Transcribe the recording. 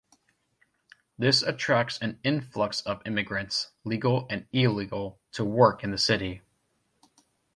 This attracts an influx of immigrants, legal and illegal, to work in the city.